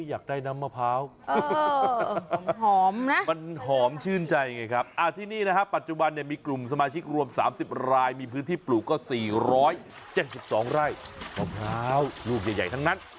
อยากได้น้ำมะพร้าวหอมนะมันหอมชื่นใจไงครับที่นี่นะฮะปัจจุบันเนี่ยมีกลุ่มสมาชิกรวม๓๐รายมีพื้นที่ปลูกก็๔๗๒ไร่มะพร้าวลูกใหญ่ทั้งนั้น